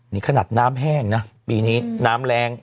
นี่ขนาดน้ำแห้งนะปีนี้น้ำแรง